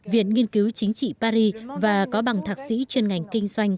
viện nghiên cứu chính trị paris và có bằng thạc sĩ chuyên ngành kinh doanh